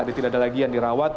tidak ada lagi yang dirawat